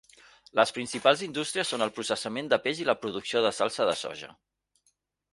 Les principals indústries són el processament de peix i la producció de salsa de soja.